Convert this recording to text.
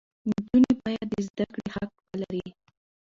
نجونې باید د زده کړې حق ولري.